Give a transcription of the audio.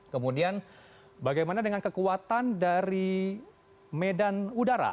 kemudian bagaimana dengan kekuatan dari medan udara